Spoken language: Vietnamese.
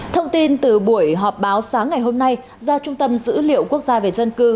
thông tin từ buổi họp báo sáng ngày hôm nay do trung tâm dữ liệu quốc gia về dân cư